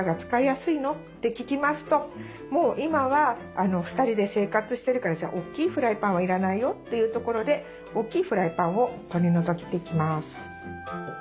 もう今は２人で生活してるから大きいフライパンは要らないよというところで大きいフライパンを取り除いていきます。